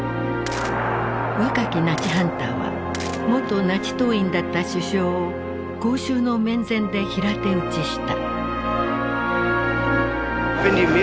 若きナチハンターは元ナチ党員だった首相を公衆の面前で平手打ちした。